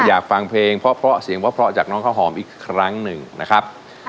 อยากฟังเพลงเพราะเสียงเพราะจากน้องข้าวหอมอีกครั้งหนึ่งนะครับ